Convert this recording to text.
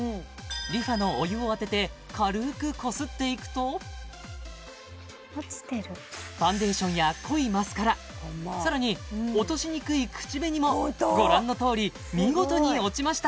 ＲｅＦａのお湯を当てて軽くこすっていくとファンデーションや濃いマスカラさらに落としにくい口紅もご覧のとおり見事に落ちました